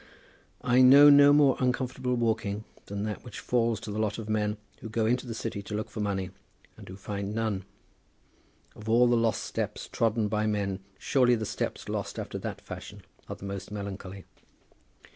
I know no more uncomfortable walking than that which falls to the lot of men who go into the City to look for money, and who find none. Of all the lost steps trodden by men, surely the steps lost after that fashion are the most melancholy.